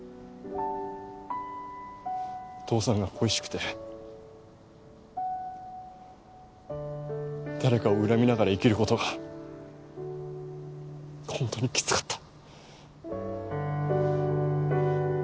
父さんが恋しくて誰かを恨みながら生きる事が本当にきつかった。